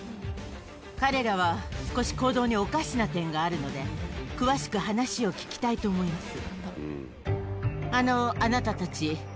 彼らは少し行動におかしな点があるので、詳しく話を聞きたいと思います。